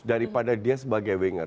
daripada dia sebagai winger